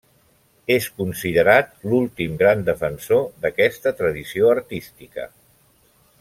És considerat l'últim gran defensor d'aquesta tradició artística.